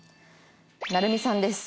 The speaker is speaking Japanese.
「成美さんです。